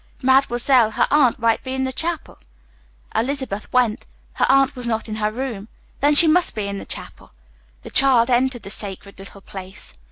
Mademoiselle her aunt might be in the chapel." Elizabeth went. Her aunt was not in her room. Then she must be in the chapel. The child entered the sacred little place.